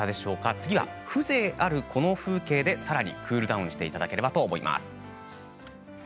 次は風情あるこの風景でさらにクールダウンしていただければと思います。